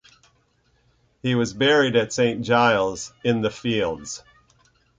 He was buried at Saint Giles in the Fields.